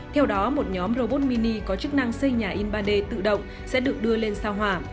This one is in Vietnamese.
theo đó một nhóm robot mini có chức năng xây nhà in ba d tự động sẽ được đưa lên sao hỏa